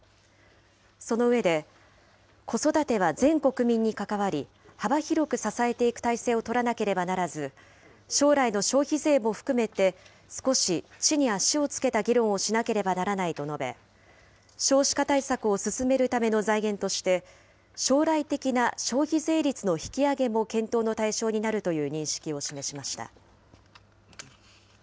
その上で、子育ては全国民に関わり、幅広く支えていく体制を取らなければならず、将来の消費税も含めて、少し地に足をつけた議論をしなければならないと述べ、少子化対策を進めるための財源として、将来的な消費税率の引き上げも検討の対象になるという認識を示しました。